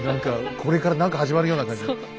これから何か始まるような感じ。